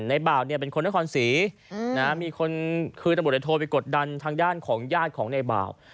ในเบาเนี่ยเป็นคนด้วยคอนศรีนะฮะมีคนคือตรรมบุหรษโทไปกดดันทางด้านของญาติของในเบา